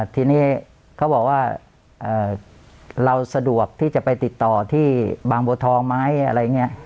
ทีนี้เขาบอกว่าเราสะดวกที่จะไปติดต่อที่บางบัวทองไหมอะไรอย่างนี้